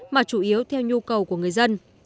mà chủ yếu theo nhu cầu của người dân